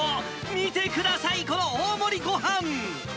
見てください、この大盛りごはん。